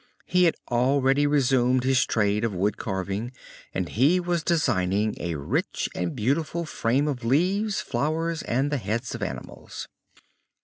He had already resumed his trade of wood carving, and he was designing a rich and beautiful frame of leaves, flowers and the heads of animals.